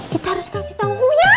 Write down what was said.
kita harus kasih tahu ya